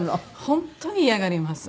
本当に嫌がります。